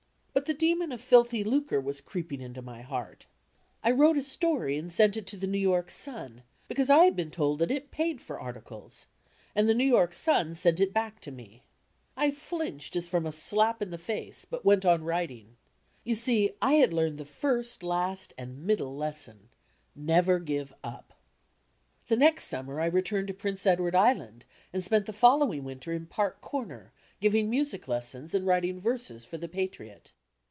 But the demon of filthy lucre was creeping into my hean. I wrote a story and sent it to the New York Sun, because I had been told that it paid for articles; and the New York Sun sent it back to me. I flinched, as from a slap in the face, but went on writing. You see I had learned the first, last, and middle lesson "Never give up!" The next summer I returned to Prince Edward Island and spent the following winter in Paric Comer, giving mu sic lessons and writing verses for the Patriot.